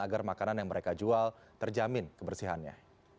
agar makanan yang mereka jual terjamin kebersihannya